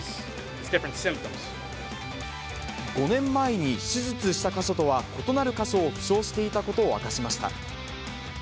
５年前に手術した箇所とは異なる箇所を負傷していたことを明かしました。